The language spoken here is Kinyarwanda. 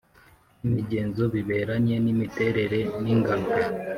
N imigenzo biberanye n imiterere n ingano